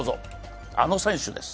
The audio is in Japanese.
あの選手です。